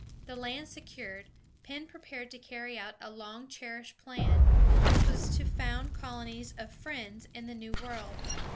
The land secured, Penn prepared to carry out a long cherished plan, which was to found colonies of Friends in the New World.